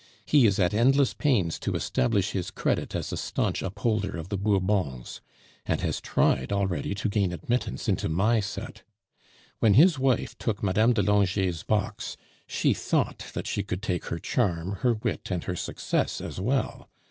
He is at endless pains to establish his credit as a staunch upholder of the Bourbons, and has tried already to gain admittance into my set. When his wife took Mme. de Langeais' box, she thought that she could take her charm, her wit, and her success as well.